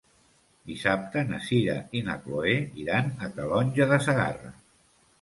Dissabte na Sira i na Chloé iran a Calonge de Segarra.